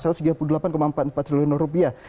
satu ratus tiga puluh delapan empat puluh empat triliun rupiah